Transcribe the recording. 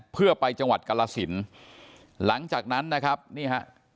เพื่อไปจังหวัดกรสินหลังจากนั้นนะครับนี่ฮะ